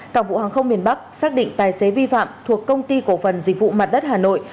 cảng vụ hàng không miền bắc xác định tài xế vi phạm thuộc công ty cổ phần dịch vụ mặt đất hà nội